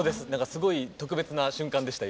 すごい特別な瞬間でした今。